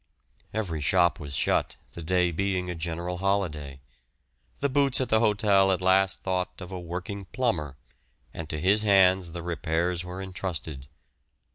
Every shop was shut, the day being a general holiday. The boots at the hotel at last thought of a working plumber, and to his hands the repairs were entrusted.